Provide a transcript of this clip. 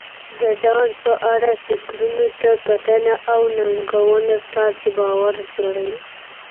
د ځان په اړه فکرونو ته کتنه او ننګونه ستاسې باور جوړوي.